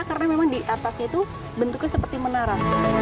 karena memang di atasnya itu bentuknya seperti menara